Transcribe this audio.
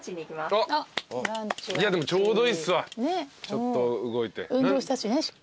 いやでもちょうどいいっすわちょっと動いて。